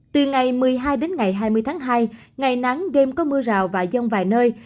từ ngày một mươi hai đến ngày hai mươi tháng hai ngày nắng đêm có mưa rào và dông vài nơi